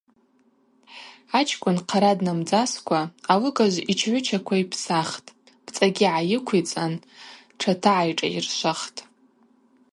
Ачкӏвын хъара днамдзаскӏва алыгажв йчгӏвычаква йпсахтӏ, пцӏагьи гӏайыквицӏан тшатагӏайшӏайыршвахтӏ.